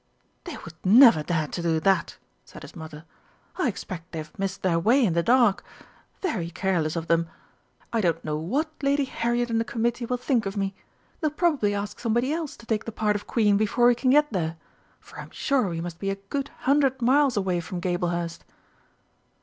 "They would never dare to do that!" said his Mother. "I expect they have missed their way in the dark. Very careless of them. I don't know what Lady Harriet and the Committee will think of me. They'll probably ask somebody else to take the part of Queen before we can get there for I'm sure we must be a good hundred miles away from Gablehurst!"